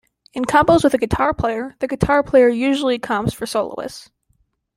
In combos with a guitar player, the guitar player usually comps for soloists.